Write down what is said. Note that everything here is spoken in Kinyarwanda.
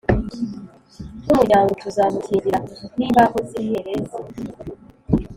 nk umuryango Tuzamukingira n imbaho z imyerezi